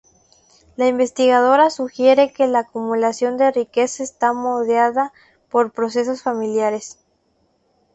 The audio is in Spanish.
La investigadora sugiere que la acumulación de riqueza está moldeada por procesos familiares.